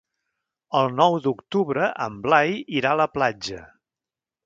El nou d'octubre en Blai irà a la platja.